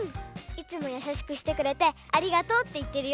いつもやさしくしてくれてありがとうっていってるよ。